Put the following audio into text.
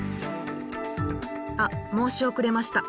あっ申し遅れました。